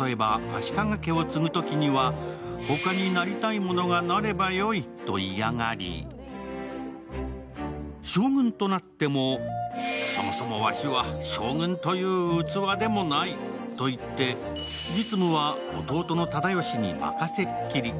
例えば、足利家を継ぐときには他になりたい者がなればよいと嫌がり、将軍となっても、そもそもわしは将軍という器でもないと言って実務は、弟の直義に任せっきり。